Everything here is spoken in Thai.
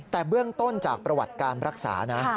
แต่เบื้องต้นจากประวัติการรักษานะ